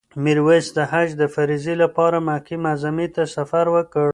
میرویس د حج د فریضې لپاره مکې معظمې ته سفر وکړ.